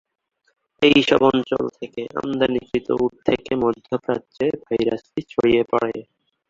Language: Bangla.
এইসব অঞ্চল থেকে আমদানিকৃত উট থেকে মধ্য প্রাচ্যে ভাইরাসটি ছড়িয়ে পড়ে।